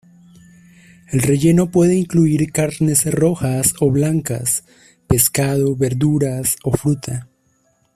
El relleno puede incluir carnes rojas o blancas, pescado, verduras o fruta.